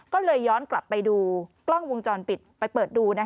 ก็เลยย้อนกลับไปดูกล้องวงจรปิดไปเปิดดู